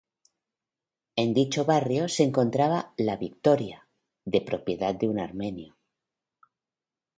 En dicho barrio se encontraba "La Victoria", de propiedad de un armenio.